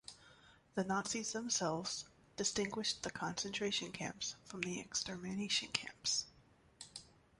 The Nazis themselves distinguished the concentration camps from the extermination camps.